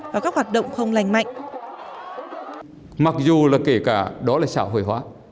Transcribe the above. và các hoạt động không lành mạnh